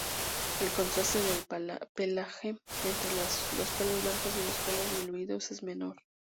El contraste del pelaje, entre los pelos blancos y los pelos diluidos es menor.